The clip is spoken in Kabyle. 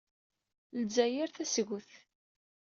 Lezzayer tasget.